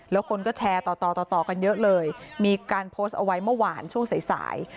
แล้วคนก็แชร์ต่อต่อต่อกันเยอะเลยมีการโพสต์เอาไว้เมื่อวานช่วงสายสาย